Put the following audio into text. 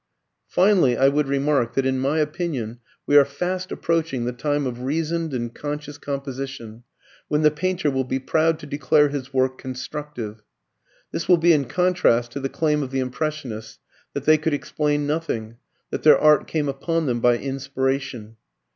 Finally, I would remark that, in my opinion, we are fast approaching the time of reasoned and conscious composition, when the painter will be proud to declare his work constructive. This will be in contrast to the claim of the Impressionists that they could explain nothing, that their art came upon them by inspiration.